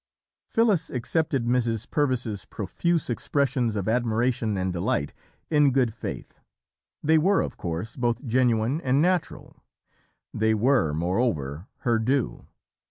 Phyllis accepted Mrs. Purvis's profuse expressions of admiration and delight in good faith; they were, of course, both genuine and natural; they were, moreover, her due.